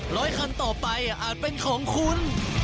ร้อยคันต่อไปอาจเป็นของคุณ